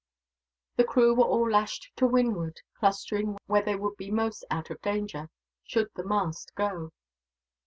The crew were all lashed to windward, clustering where they would be most out of danger, should the mast go.